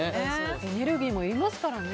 エネルギーもいりますからね。